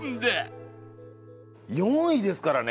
４位ですからね。